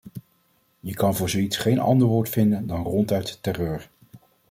Je kan voor zoiets geen ander woord vinden dan ronduit terreur.